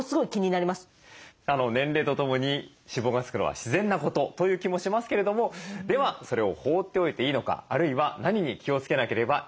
年齢とともに脂肪がつくのは自然なことという気もしますけれどもではそれを放っておいていいのかあるいは何に気をつけなければいけないのか